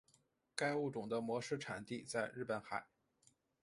该物种的模式产地在日本海。